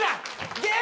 ゲーム！